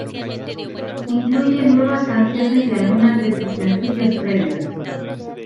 Incluye nuevas canciones y algunas de sus sencillos previos.